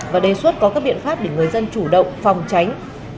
và đề xuất có các biện pháp để người dân chủ động phòng tránh